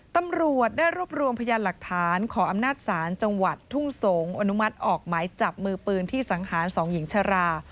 ตำรวจได้รวบรวมพยานหลักฐานขออำนาจศาลจังหวัดทุ่งสงศ์อนุมัติออกหมายจับมือปืนที่สังหาร๒หญิงชรา